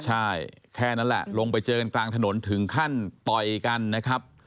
ใช่แค่นั้นแหละลงไปเจอกันกลางถนนถึงขั้นต่อยกันนะครับ